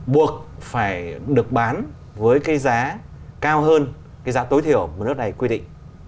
buộc phải được bán với cái giá cao hơn cái giá tối thiểu mà nước này quy định